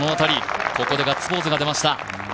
ここでガッツポーズが出ました。